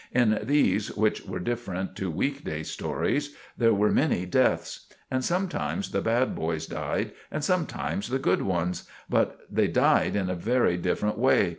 In these, which were different to week day stories, there were many deaths. And sometimes the bad boys died and sometimes the good ones; but they died in a very different way.